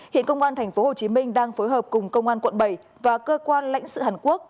hiện công an tp hcm đang phối hợp cùng công an quận bảy và cơ quan lãnh sự hàn quốc